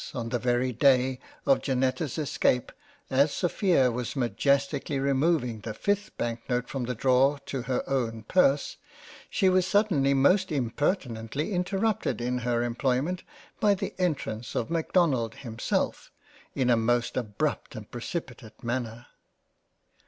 on the very day of Janetta's Escape, as Sophia was majestically re moving the 5th Bank note from the Drawer to her own purse, she was suddenly most impertinently interrupted in her employment by the entrance of Macdonald himself, in a most abrupt and precipitate Manner.